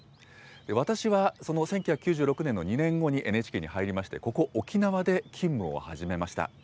私はその１９９６年の２年後にＮＨＫに入りまして、ここ、沖縄で勤務を始めました。